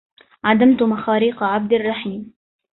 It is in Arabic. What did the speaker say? عدمت مخاريق عبد الرحيم